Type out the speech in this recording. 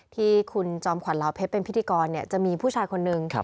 ที่คุณจอมขวัญลาวเพชรเป็นพิธีกรจะมีผู้ชายคนนึง